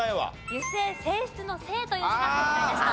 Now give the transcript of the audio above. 油性性質の「性」という字が正解でした。